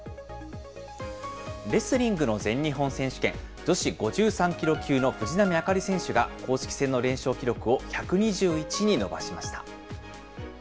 レスリングの全日本選手権女子５３キロ級の藤波朱理選手が、公式戦の連勝記録を１２１に伸ばしました。